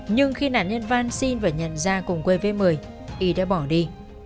nhưng khi nạn nhân văn xin và nhận ra cùng quê với mời y đã bỏ đi